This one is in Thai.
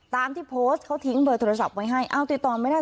ตามที่โพสต์เขาทิ้งเบอร์โทรศัพท์ไว้ให้เอาติดต่อไม่ได้